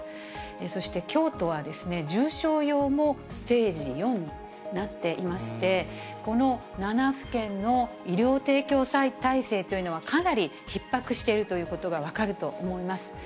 そして京都は重症用もステージ４となっていまして、この７府県の医療提供体制というのはかなりひっ迫しているということが分かると思います。